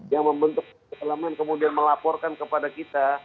yang membentuk elemen kemudian melaporkan kepada kita